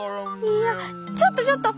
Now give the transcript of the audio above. いやちょっとちょっと！